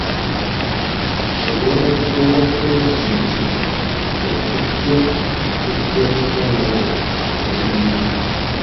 Okulonda kw'obwa pulezidenti okujja kujja kubaawo mu Gatonnya